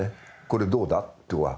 「これどうだ？」とは。